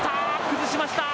崩しました。